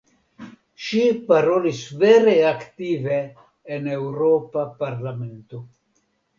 Ŝi parolis vere aktive en Eŭropa parlamento.